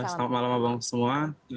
selamat malam bang semua